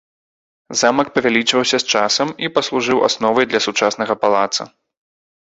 Замак павялічваўся з часам і паслужыў асновай для сучаснага палаца.